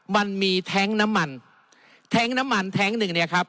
มันมีแท้งน้ำมันแท้งน้ำมันแท้งหนึ่งเนี่ยครับ